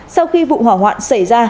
sau khi vụ hỏa hoạn xảy ra